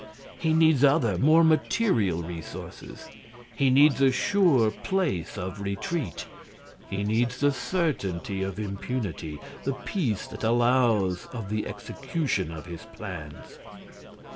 He needs other, more material resources. He needs a sure place of retreat, he needs the certainty of impunity, the peace that allows of the execution of his plans.